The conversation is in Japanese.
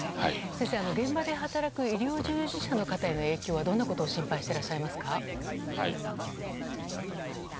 先生、現場で働く医療従事者への影響はどんなことを心配していらっしゃいますか？